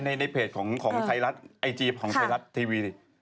ก็ไปดูในเพจของไทยรัตน์ไอจีบของไทยรัตน์ทีวี